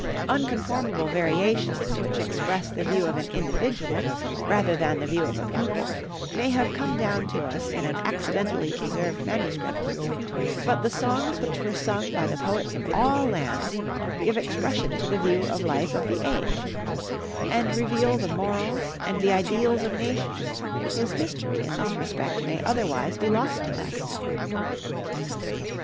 Unconformable variations, which express the view of an individual rather than the view of a people, may have come down to us in an accidentally preserved manuscript; but the songs which were sung by the poets of all lands give expression to the view of life of the age, and reveal the morals and the ideals of nations, whose history in this respect may otherwise be lost to us.